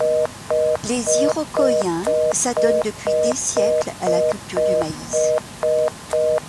Les Iroquoiens s'adonnent depuis des siècles à la culture du maïs.